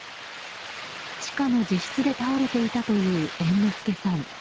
地下の自室で倒れていたという猿之助さん。